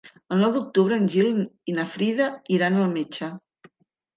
El nou d'octubre en Gil i na Frida iran al metge.